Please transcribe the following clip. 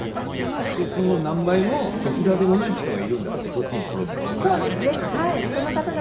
でその何倍もどちらでもない人がいるんだからどっちに転ぶか分かんない人がっていう考え方も。